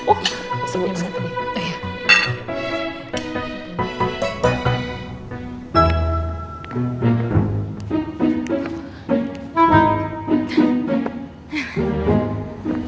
oh masih mursip